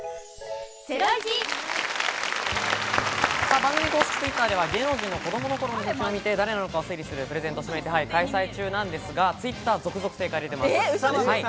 番組公式Ｔｗｉｔｔｅｒでは芸能人の子供の頃の写真を見て誰なのかを推理するプレゼント指名手配を開催中なんですか、Ｔｗｉｔｔｅｒ、続々正解出ています。